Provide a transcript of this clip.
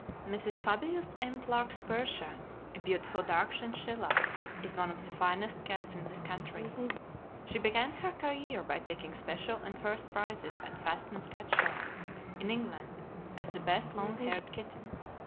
Mrs. Fabius M. Clarke's "Persia," a beautiful dark chinchilla, is one of the finest cats in this country. She began her career by taking special and first prizes at Fastmay's Cat Show in England, as the best long haired kitten.